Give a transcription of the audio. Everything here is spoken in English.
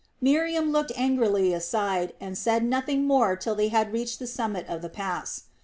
Miriam looked angrily aside, and said nothing more till they had reached the summit of the pass.